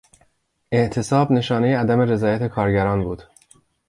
اعتصاب نشانهی عدم رضایت کارگران بود.